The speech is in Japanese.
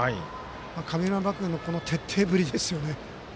神村学園のこの徹底ぶりですよね。